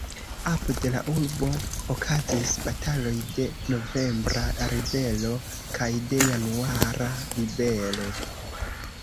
Apud la urbo okazis bataloj de novembra ribelo kaj de januara ribelo.